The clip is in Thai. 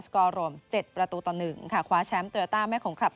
สกอร์รวมเจ็ดประตูต่อหนึ่งค่ะคว้าแชมป์ตูยาตาแม่ของคลับ